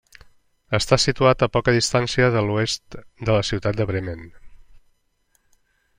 Està situat a poca distància a l'oest de la ciutat de Bremen.